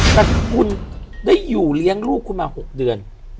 แต่คุณได้อยู่เลี้ยงลูกคุณมา๖เดือน